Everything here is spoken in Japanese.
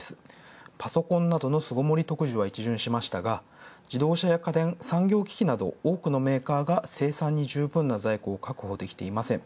パソコンなどの巣ごもり特需は一巡したが、自動車や家電産業機器など多くのメーカーが生産に十分な在庫を確保できていません。